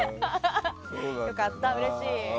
良かった、うれしい！